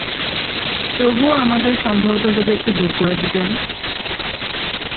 তবুও আমাদের সন্দেহটা যদি একটু দূর করে দিতেন?